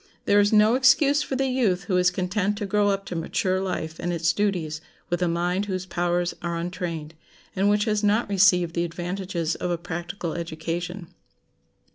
There is no excuse for the youth who is content to grow up to mature life and its duties with a mind whose powers are untrained, and which has not received the advantages of a practical education.